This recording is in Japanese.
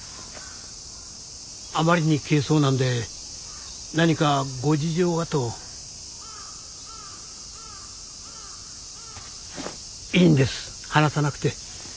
あまりに軽装なんで何かご事情がと。いいんです話さなくて。